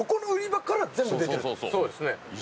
えっ⁉そうですね。